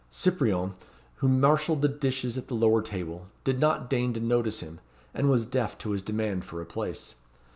Cyprien, who marshalled the dishes at the lower table, did not deign to notice him, and was deaf to his demand for a place.